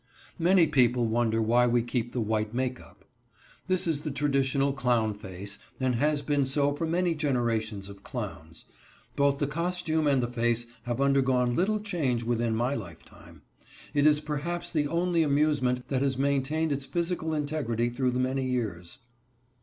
Many people wonder why we keep the white make up. This is the traditional clown face, and has been so for many generations of clowns. Both the costume and the face have undergone little change within my lifetime. It is perhaps the only amusement that has maintained its physical integrity through many years.